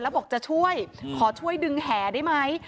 แล้วบอกจะช่วยขอช่วยดึงแห่ได้ไหม